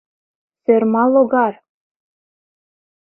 Сӧрма логар!